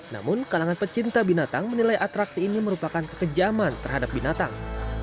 namun kalangan pecinta binatang menilai atraksi ini merupakan kekejaman terhadap binatang